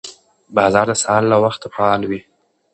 بازار د سهار له وخته فعال وي